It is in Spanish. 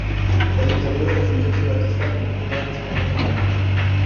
La Dictadura de Fulgencio Batista provocó gran descontento popular.